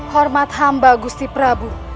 hormat hamba gusti prabu